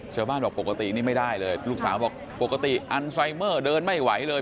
ชาวบ้านบอกปกตินี่ไม่ได้เลยลูกสาวบอกปกติอันไซเมอร์เดินไม่ไหวเลย